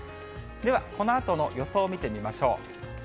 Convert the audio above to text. では、このあとの予想見てみましょう。